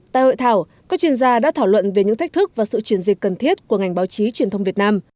tại hội thảo các chuyên gia đã thảo luận về những thách thức và sự chuyển dịch cần thiết của ngành báo chí truyền thông việt nam